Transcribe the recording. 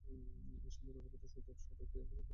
এই সময় রঘুপতি সুজার সভায় গিয়া উপস্থিত হইলেন।